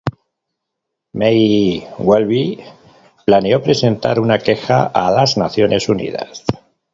May-Welby planeó presentar una queja a las Naciones Unidas.